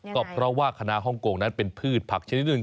ก็เพราะว่าคณะฮ่องกงนั้นเป็นพืชผักชนิดหนึ่ง